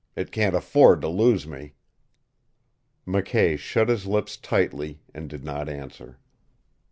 It can't afford to lose me." McKay shut his lips tightly, and did not answer.